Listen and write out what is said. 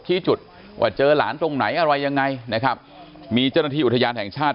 จุดว่าเจอหลานตรงไหนอะไรยังไงนะครับมีเจ้าหน้าที่อุทยานแห่งชาติ